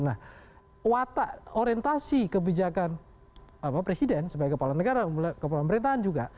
nah watak orientasi kebijakan presiden sebagai kepala negara kepala pemerintahan juga